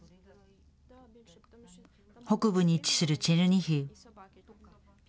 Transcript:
北部に位置するチェルニヒウ。